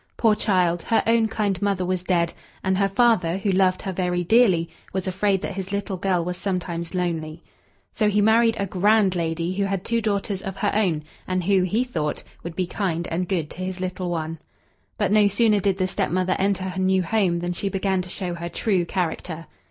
Poor child! her own kind mother was dead, and her father, who loved her very dearly, was afraid that his little girl was sometimes lonely. So he married a grand lady who had two daughters of her own, and who, he thought, would be kind and good to his little one. But no sooner did the stepmother enter her new home than she began to show her true character.